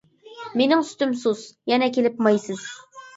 مېنىڭ سۈتۈم سۇس، يەنە كېلىپ مايسىز.